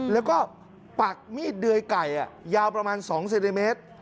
แล้วก็ปักมีดเดยไก่ยาวประมาณ๒เซนติเมตร